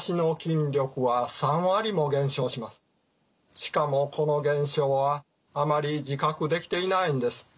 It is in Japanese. しかもこの現象はあまり自覚できていないんです。